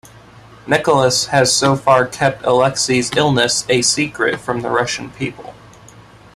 Nicholas has so far kept Alexei's illness a secret from the Russian people.